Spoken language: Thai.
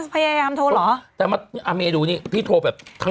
สัญญาณอาเมนูนี่พี่โทรแบบทั้งวัน